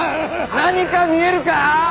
何か見えるかァ